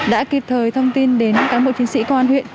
đã kịp thời thông tin đến cán bộ chiến sĩ công an huyện